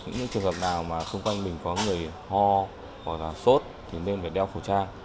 những trường hợp nào mà xung quanh mình có người ho hoặc là sốt thì nên phải đeo khẩu trang